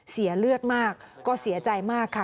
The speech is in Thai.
เสียเลือดมากก็เสียใจมากค่ะ